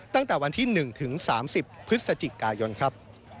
ตั้งแต่วันที่๑ถึง๓๐พฤศจิกายนครับ